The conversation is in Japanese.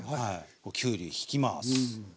きゅうりひきます。